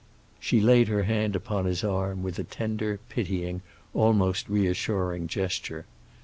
She laid her hand upon his arm, with a tender, pitying, almost reassuring gesture.